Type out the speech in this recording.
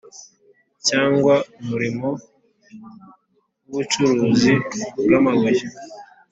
cyangwa umurimo wubucuruzi bwamabuye